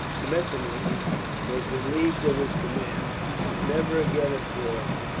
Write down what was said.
Schmettau was relieved of his command, and never again employed.